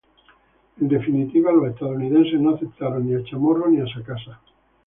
En definitiva los estadounidenses no aceptaron ni a Chamorro ni a Sacasa.